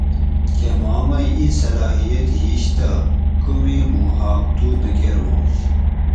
کہ ما مئی اِیں صلاحیت ہِیش تہ کمی موں حاق تُو نہ کۤر بانش